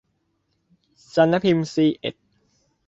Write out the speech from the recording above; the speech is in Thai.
สำนักพิมพ์ซีเอ็ด